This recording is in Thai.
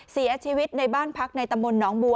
เสียชีวิตในบ้านพักในตำบลหนองบัว